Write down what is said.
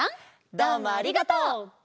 どうもありがとう！